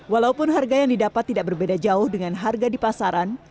walaupun harga yang didapat tidak berbeda jauh dengan harga di pasaran